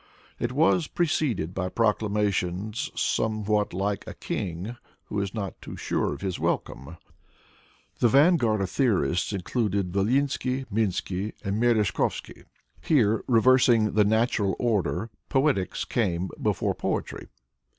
It was preceded by proclamations, somewhat like a king who is not too sure of his welcome. The vanguard of theorists included Volynsky, Minsky and Merezhkovsky. Here, reversing the natural order, poetics came before poetry.